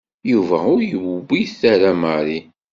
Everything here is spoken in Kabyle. Yuba ur yewwit ara Mary.